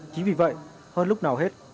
chính vì vậy hơn lúc nào hết